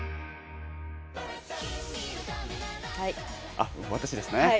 あ、私ですね。